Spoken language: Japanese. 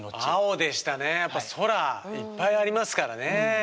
青でしたねやっぱ空いっぱいありますからね。